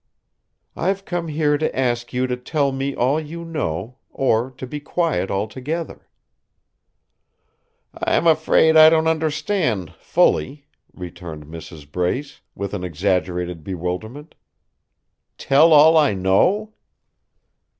"I've come here to ask you to tell me all you know, or to be quiet altogether." "I'm afraid I don't understand fully," returned Mrs. Brace, with an exaggerated bewilderment. "Tell all I know?"